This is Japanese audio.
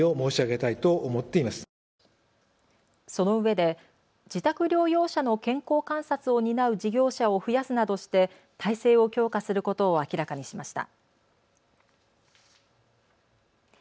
そのうえで自宅療養者の健康観察を担う事業者を増やすなどして体制を強化することを明らかにしました。